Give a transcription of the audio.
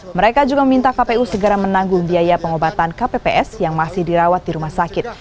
mereka juga meminta kpu segera menanggung biaya pengobatan kpps yang masih dirawat di rumah sakit